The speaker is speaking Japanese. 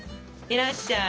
いらっしゃい！